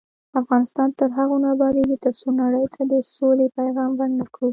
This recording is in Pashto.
افغانستان تر هغو نه ابادیږي، ترڅو نړۍ ته د سولې پیغام ورنکړو.